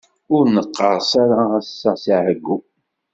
Ur neqqerṣ ara ass-a si ɛeggu.